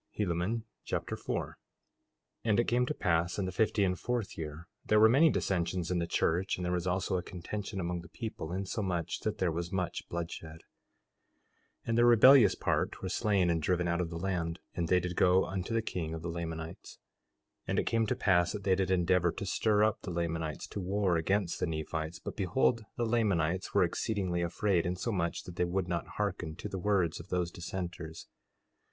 Helaman Chapter 4 4:1 And it came to pass in the fifty and fourth year there were many dissensions in the church, and there was also a contention among the people, insomuch that there was much bloodshed. 4:2 And the rebellious part were slain and driven out of the land, and they did go unto the king of the Lamanites. 4:3 And it came to pass that they did endeavor to stir up the Lamanites to war against the Nephites; but behold, the Lamanites were exceedingly afraid, insomuch that they would not hearken to the words of those dissenters.